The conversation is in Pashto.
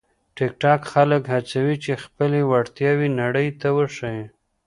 ټیکټاک خلک هڅوي چې خپلې وړتیاوې نړۍ ته وښيي.